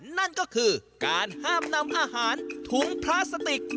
นั่นก็คือการห้ามนำอาหารถุงพลาสติก